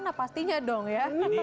nah pastinya dong ya